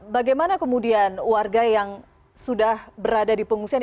bagaimana kemudian warga yang sudah berada di pengungsian